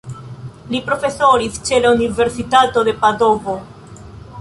Li profesoris ĉe la universitato de Padovo.